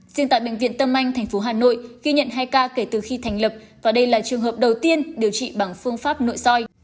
riêng tại bệnh viện tâm anh thành phố hà nội ghi nhận hai ca kể từ khi thành lập và đây là trường hợp đầu tiên điều trị bằng phương pháp nội soi